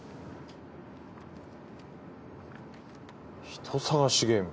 「人捜しゲーム。